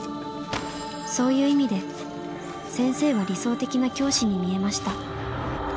そういう意味で先生は理想的な教師に見えました」。